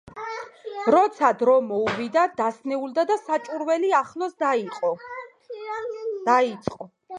როცა დრო მოუვიდა, დასნეულდა და საჭურველი ახლოს დაიწყო.